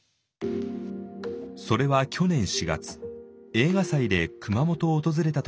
それは去年４月映画祭で熊本を訪れた時のことでした。